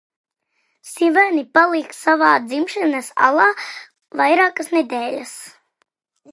Sivēni paliek savā dzimšanas alā vairākas nedēļas.